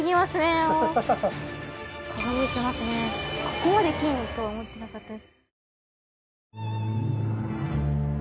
ここまで金とは思ってなかったです。